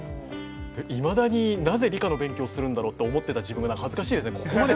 いまだになぜ理科の勉強をするんだろうと思っていた自分が恥ずかしいですね。